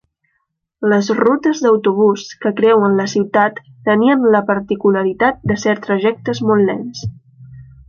Les rutes d'autobús que creuen la ciutat tenien la particularitat de ser trajectes molt lents.